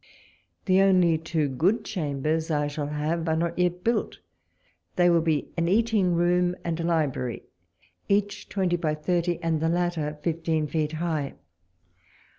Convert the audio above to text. The only two good chambers I shall have are not yet built : they will be an eating room and a library, each twenty by thirty, and the latter fifteen feet high.